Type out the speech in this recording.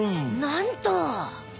なんと！